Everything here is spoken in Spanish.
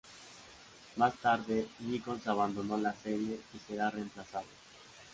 Más tarde, Nichols abandonó la serie y será reemplazado.